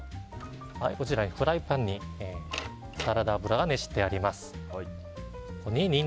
こちらのフライパンにサラダ油が熱してあります。